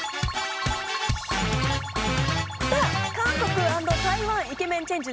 韓国＆台湾イケメンチェンジ